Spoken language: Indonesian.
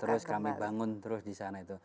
terus kami bangun di sana